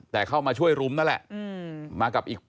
แต่เข้ามาช่วยรุมนั่นแหละ